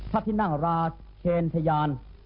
พระที่นั่งราชเชนทยาน